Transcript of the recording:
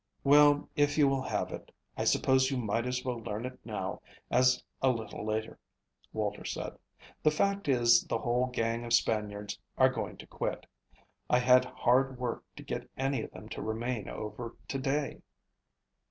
"Well, if you will have it, I suppose you might as well learn it now as a little later," Walter said. "The fact is the whole gang of Spaniards are going to quit. I had hard work to get any of them to remain over to day."